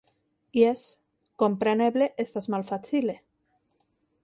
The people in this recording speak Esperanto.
Jes, kompreneble estas malfacile.